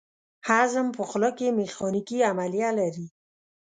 هضم په خوله کې میخانیکي عملیه لري.